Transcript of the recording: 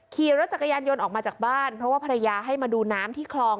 ขี่รถจักรยานยนต์ออกมาจากบ้านเพราะว่าภรรยาให้มาดูน้ำที่คลอง